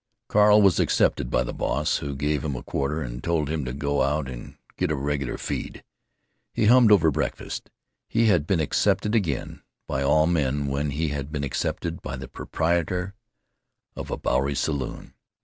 Carl was accepted by the "boss," who gave him a quarter and told him to go out and get a "regular feed." He hummed over breakfast. He had been accepted again by all men when he had been accepted by the proprietor of a Bowery saloon.